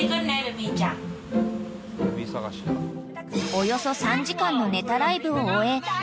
［およそ３時間のネタライブを終え帰宅］